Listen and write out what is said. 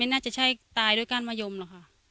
น่าจะใช่ตายด้วยก้านมะยมหรอกค่ะ